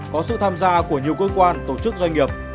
có sự tham gia của nhiều cơ quan tổ chức doanh nghiệp